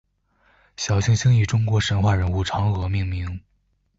小行星以中国神话人物嫦娥命名。